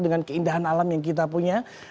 dengan keindahan alam yang kita punya